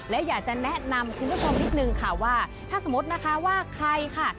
และอยากจะแนะนำคุณผู้ชมนิดนึงค่ะว่าถ้าสมมตินะคะว่าใครค่ะ